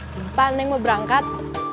lupa neng mau berangkat